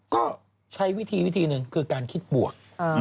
ก็ใช้วิธีวิธีหนึ่งคือการคิดบวก